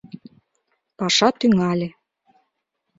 Паша тӱҥале...